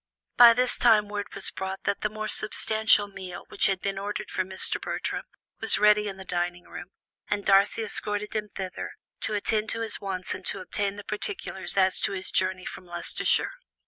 By this time word was brought that the more substantial meal which had been ordered for Mr. Bertram was ready in the dining room, and Darcy escorted him thither, to attend to his wants and to obtain the particulars as to his journey from Leicestershire.